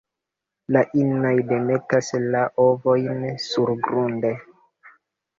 La inoj demetas la ovojn surgrunde.